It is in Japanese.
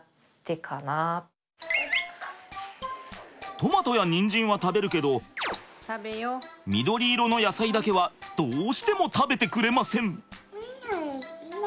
トマトやにんじんは食べるけど緑色の野菜だけはどうしても食べてくれません！